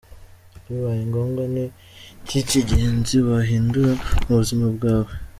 Bibaye ngombwa ni iki cy’ingenzi wahindura mu buzima bwawe?.